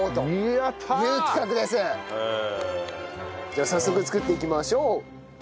じゃあ早速作っていきましょう。